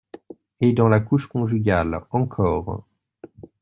Et dans la couche conjugale encore!